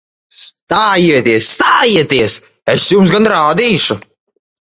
Stājieties! Stājieties! Es jums gan rādīšu!